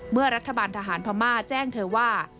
เมื่อรัฐบาลทหารพม่าแจ้งเธอว่า